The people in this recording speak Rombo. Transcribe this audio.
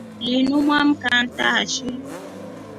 Linu mwanaakwa antaashi.